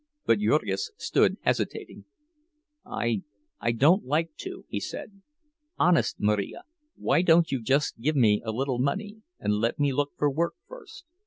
But Jurgis stood hesitating. "I—I don't like to," he said. "Honest, Marija, why don't you just give me a little money and let me look for work first?"